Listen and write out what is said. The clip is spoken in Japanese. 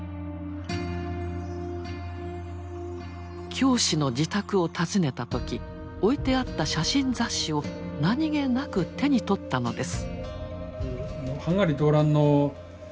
教師の自宅を訪ねた時置いてあった写真雑誌を何気なく手に取ったのです。